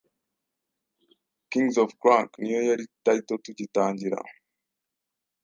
Kings of crank niyo yari title tugitangira